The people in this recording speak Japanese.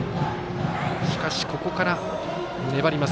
しかし、ここから粘ります。